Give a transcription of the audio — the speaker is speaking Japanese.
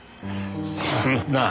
そんな。